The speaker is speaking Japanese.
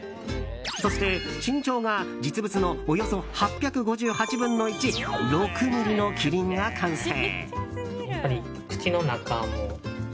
そして、身長が実物のおよそ８５８分の１６ｍｍのキリンが完成。